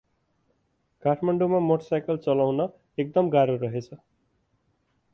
काठ्माडाैंमा motorcycle चलाउन एकदम गाह्रो रहेछ ।